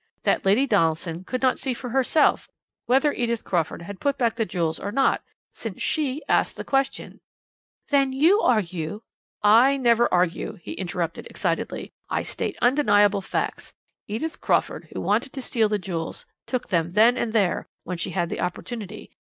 That Lady Donaldson could not see for herself whether Edith Crawford had put back the jewels or not, since she asked the question." "Then you argue " "I never argue," he interrupted excitedly; "I state undeniable facts. Edith Crawford, who wanted to steal the jewels, took them then and there, when she had the opportunity.